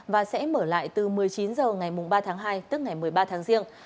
và sẽ mở lại từ một mươi chín h ngày ba tháng hai tức ngày một mươi ba tháng riêng